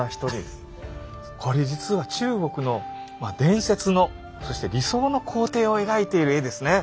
これ実は中国の伝説のそして理想の皇帝を描いている絵ですね。